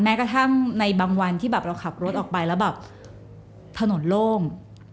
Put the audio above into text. กระทั่งในบางวันที่แบบเราขับรถออกไปแล้วแบบถนนโล่ง